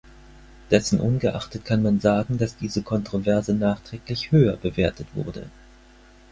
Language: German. Dessen ungeachtet kann man sagen, dass diese Kontroverse nachträglich höher bewertet wurde.